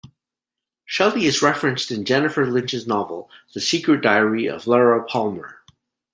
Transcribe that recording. Shelly is referenced in Jennifer Lynch's novel "The Secret Diary of Laura Palmer".